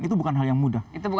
itu bukan hal yang mudah